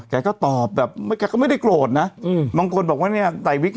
แกก็ตอบแบบไม่แกก็ไม่ได้โกรธนะอืมบางคนบอกว่าเนี่ยใส่วิก